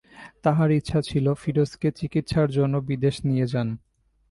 তাঁর ইচ্ছা ছিল ফিরোজকে চিকিৎসার জন্যে বিদেশে নিয়ে যান।